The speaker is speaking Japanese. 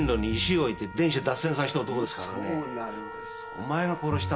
お前が殺したのか。